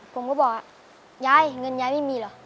ผมก็บอกว่ายายเงินยายไม่มีเหรอ